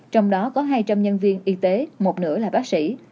trong đó có hai trăm linh nhân viên y tế một nửa là bác sĩ